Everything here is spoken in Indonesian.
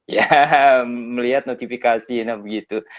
ya melihat notifikasi nah begitu